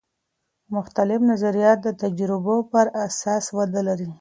مختلف نظریات د تجربو پراساس وده لري.